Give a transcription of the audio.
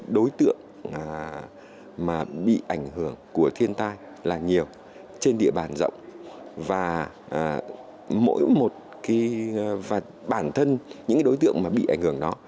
đối tượng mà bị ảnh hưởng của thiên tai là nhiều trên địa bàn rộng và mỗi một cái và bản thân những đối tượng mà bị ảnh hưởng đó